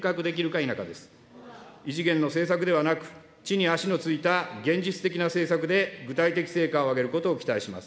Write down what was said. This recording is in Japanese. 異次元の政策ではなく、地に足のついた現実的な政策で具体的成果を上げることを期待します。